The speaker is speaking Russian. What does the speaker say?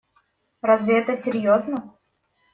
Разве это серьезно?